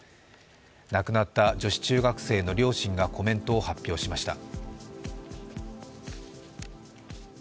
亡くなった女子中学生の両親がコメントを発表しました。